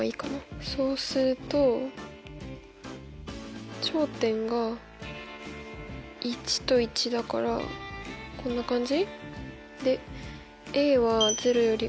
そうすると頂点が１と１だからこんな感じ？